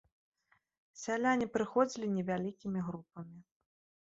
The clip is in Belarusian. Сяляне прыходзілі невялікімі групамі.